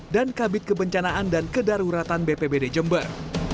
dan kabit kebencanaan dan kedaruratan bpbd jember